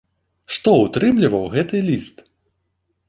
Што ўтрымліваў гэты ліст?